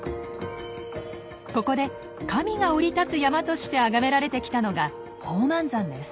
ここで神が降り立つ山としてあがめられてきたのが宝満山です。